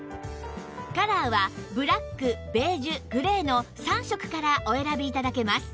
カラーはブラックベージュグレーの３色からお選び頂けます